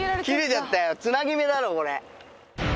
つなぎ目だろこれ。